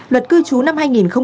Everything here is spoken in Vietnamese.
luật cư trú năm hai nghìn hai mươi